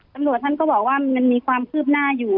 ตำรวจท่านก็บอกว่ามันมีความคืบหน้าอยู่